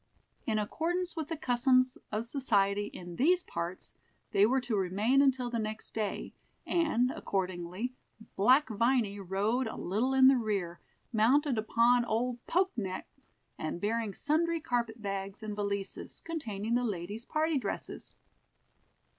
In accordance with the customs of society in these parts, they were to remain until the next day, and, accordingly, black Viny rode a little in the rear, mounted upon old "Poke Neck," and bearing sundry carpet bags and valises, containing the ladies' party dresses.